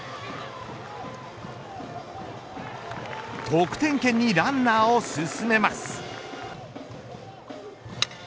得点圏にランナーを進めます。